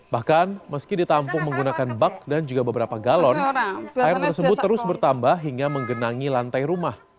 bahkan meski ditampung menggunakan bak dan juga beberapa galon air tersebut terus bertambah hingga menggenangi lantai rumah